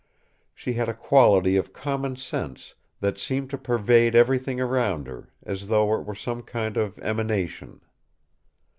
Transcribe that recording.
She had a quality of common sense that seemed to pervade everything around her, as though it were some kind of emanation.